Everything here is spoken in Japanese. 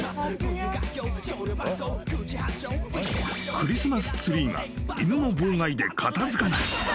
［クリスマスツリーが犬の妨害で片付かない］